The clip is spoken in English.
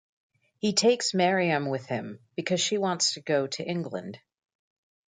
He takes Maryam with him, because she wants to go to England.